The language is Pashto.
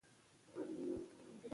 رسوب د افغانانو د ګټورتیا برخه ده.